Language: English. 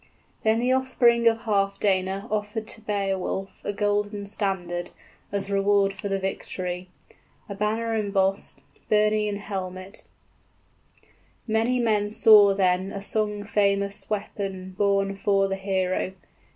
} Then the offspring of Healfdene offered to Beowulf 30 A golden standard, as reward for the victory, A banner embossed, burnie and helmet; Many men saw then a song famous weapon Borne 'fore the hero.